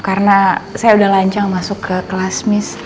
karena saya udah lancang masuk ke kelas miss